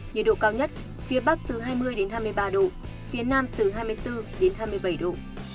nhiệt độ cao nhất phía bắc từ hai mươi hai mươi ba độ phía nam từ hai mươi bốn đến hai mươi bảy độ